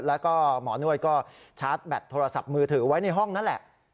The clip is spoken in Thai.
แล้วก็หมอนวดก็ชาร์จแบตโทรศัพท์มือถือไว้ในห้องนั่นแหละ